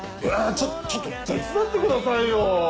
ちょっとちょっと手伝ってくださいよ。